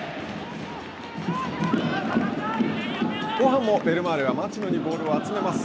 後半もベルマーレは町野にボールを集めます。